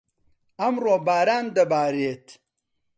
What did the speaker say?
ئەمڕۆ، باران دەبارێت.